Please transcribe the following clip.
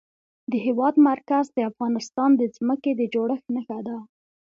د هېواد مرکز د افغانستان د ځمکې د جوړښت نښه ده.